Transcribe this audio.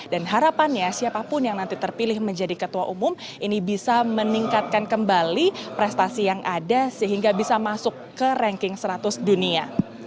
dan harapannya siapapun yang nanti terpilih menjadi ketua umum ini bisa meningkatkan kembali prestasi yang ada sehingga bisa masuk ke ranking seratus dunia